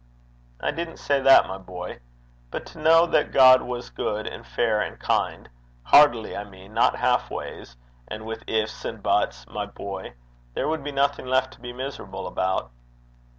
'I didn't say that, my boy. But to know that God was good, and fair, and kind heartily, I mean, not half ways, and with ifs and buts my boy, there would be nothing left to be miserable about.'